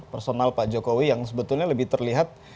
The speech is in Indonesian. personal pak jokowi yang sebetulnya lebih terlihat